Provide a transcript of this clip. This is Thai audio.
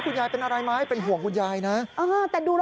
สวัสดีสวัสดี